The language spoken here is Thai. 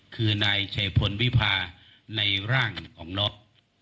คือนายเฉพนวิพาในร่างของน้อง